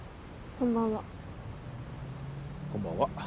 こんばんは。